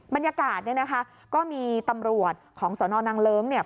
บรรยากาศเนี่ยนะคะก็มีตำรวจของสนนางเลิ้งเนี่ย